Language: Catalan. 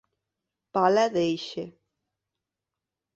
Pala d'Eixe.